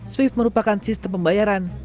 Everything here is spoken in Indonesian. swift merupakan sistem pembayaran yang berbeda